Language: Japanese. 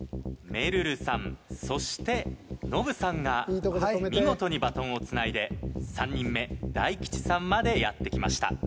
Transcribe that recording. めるるさんそしてノブさんが見事にバトンをつないで３人目大吉さんまでやって来ました。